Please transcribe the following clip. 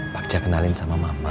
bakja kenalin sama mama